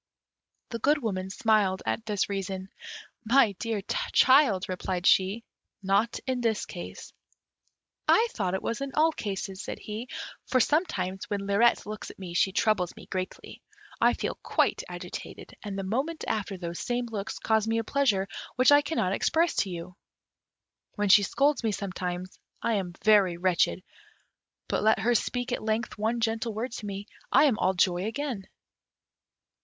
The Good Woman smiled at this reason. "My dear child," replied she, "not in this case." "I thought it was in all cases," said he; "for sometimes, when Lirette looks at me, she troubles me greatly; I feel quite agitated; and the moment after those same looks cause me a pleasure which I cannot express to you. When she scolds me sometimes, I am very wretched; but let her speak at length one gentle word to me, I am all joy again."